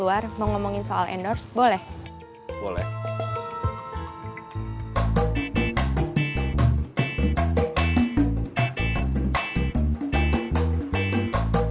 apit belum bisa dikontak